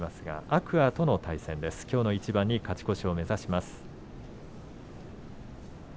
天空海との対戦きょうの一番に勝ち越しを目指します。